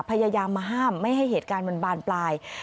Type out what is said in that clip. พยายามมาห้ามไม่ให้เหตุการณ์มันบานปลาย